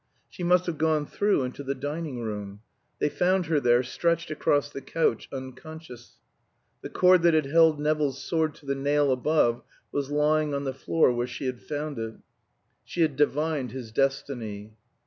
She must have gone through into the dining room. They found her there, stretched across the couch, unconscious. The cord that had held Nevill's sword to the nail above was lying on the floor where she had found it. She had divined his destiny.